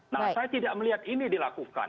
nah saya tidak melihat ini dilakukan